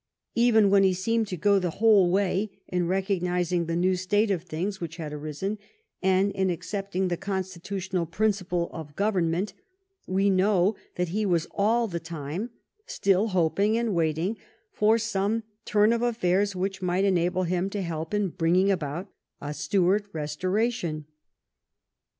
Even when he seemed to go the whole way in recognizing the new state of things which had arisen and in accepting the constitutional principle of government, we know that he was all the time still hoping and waiting for some turn of affairs which might enable him to help in bringing about a Stuart restoration.